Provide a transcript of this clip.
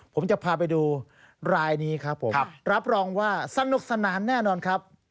ผมจะพาไปดูรายนี้ครับผมรับรองว่าสนุกสนานแน่นอนครับ